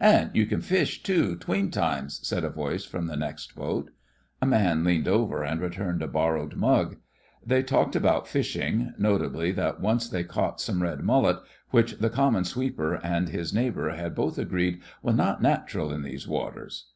"And you can fish, too, 'tween times," said a voice from the next boat. A man leaned over and re turned a borrowed mug. They talked about fishing — notably that once they caught some red mullet, which the " common sweeper" and his neighbour both agreed was "not natural in those waters."